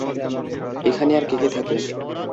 এখানে আর কে কে থাকে?